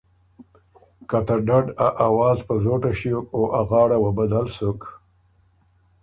که ته ډډ ا اواز په زوټه ݭیوک او ا غاړه وه بدل سُک